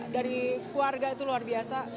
dari keluarga itu luar biasa